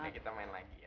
kita main lagi ya